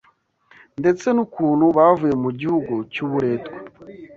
ndetse n’ukuntu bavuye mu gihugu cy’uburetwa